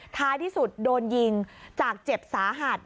ท้ายที่สุดโดนยิงจากเจ็บสาหัส